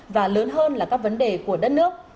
và lớn hơn là các vấn đề của đất nước